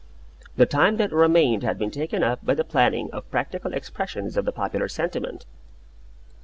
The time that remained had been taken up by the planning of practical expressions of the popular sentiment.